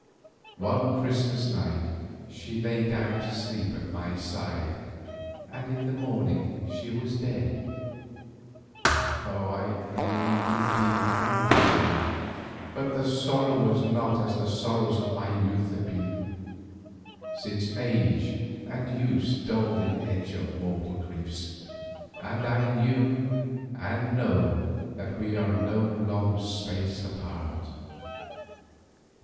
One Christmas night she lay down to sleep at my side, in the morning she was dead. I grieved indeed and bitterly, but the sorrow was not as the sorrows of my youth had been, since age and use dull the edge of mortal griefs and I knew and know that we are no long space apart.